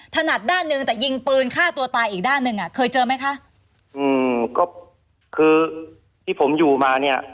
จะยิงปืนฆ่าตัวตายอีกด้านหนึ่งอ่ะเคยเจอไหมคะอืมก็คือที่ผมอยู่มาเนี้ย